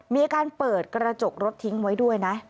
มีการเปิดกระจกรถทิ้งไว้ด้วยนะ